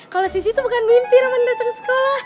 kalau sisi tuh bukan mimpi roman datang sekolah